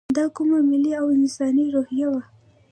دا کومه ملي او انساني روحیه وه.